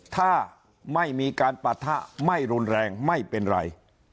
ถ้าไม่มีการปะทะไม่รุนแรงไม่เป็นไร